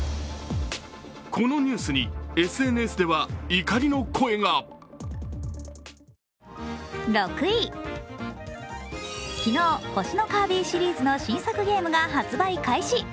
このニュースにＳＮＳでは怒りの声が昨日、「星のカービィ」シリーズの新作ゲームが発売開始。